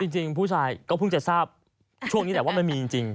จริงผู้ชายก็เพิ่งจะทราบช่วงนี้แหละว่ามันมีจริง